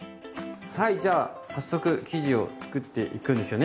はいじゃあ早速生地を作っていくんですよね？